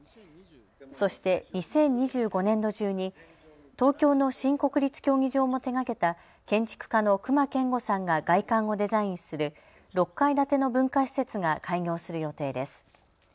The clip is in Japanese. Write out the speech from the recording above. そして２０２５年度中に東京の新国立競技場も手がけた建築家の隈研吾さんが外観をデザインする６階建ての文化施設が開業する予定です。